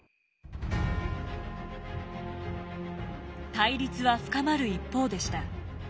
対立は深まる一方でした。